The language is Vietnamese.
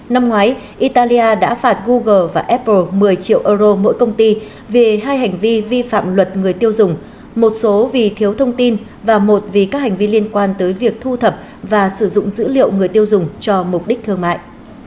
năm ngoái italia đã phạt google và apple một mươi triệu euro mỗi công ty vì hai hành vi vi phạm luật người tiêu dùng một số vì thiếu thông tin và một vì các hành vi liên quan tới việc thu thập và sử dụng dữ liệu người tiêu dùng cho mục đích thương mại